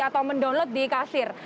atau mendownload di kasir